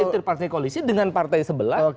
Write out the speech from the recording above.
kader partai koalisi dengan partai sebelah